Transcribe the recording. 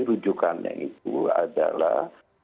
rujukannya itu adalah